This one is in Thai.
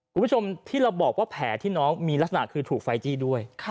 คุณผู้ชมที่เราบอกว่าแผลที่น้องมีลักษณะคือถูกไฟจี้ด้วย